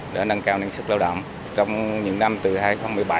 để nâng cao hiệu quả sáng kiến để nâng cao hiệu quả